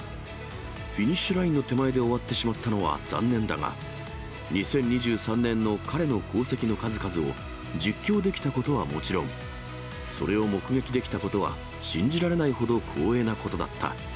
フィニッシュラインの手前で終わってしまったのは残念だが、２０２３年の彼の功績の数々を、実況できたことはもちろん、それを目撃できたことは、信じられないほど光栄なことだった。